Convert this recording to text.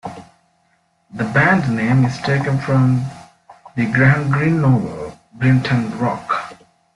The band name is taken from the Graham Greene novel "Brighton Rock".